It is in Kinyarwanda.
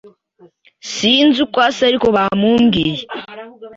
Sinzi uko asa ariko bamumbwiye.